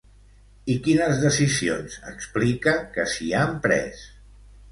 I quines decisions explica que s'hi han pres?